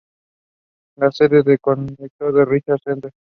La sede del condado es Richland Center.